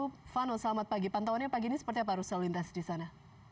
silvano selamat pagi pantauannya pagi ini seperti apa arus lalu lintas di sana